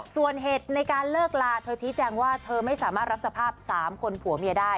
ส่วนเหตุในการเลิกลาเธอชี้แจงว่าเธอไม่สามารถรับสภาพ๓คนผัวเมียได้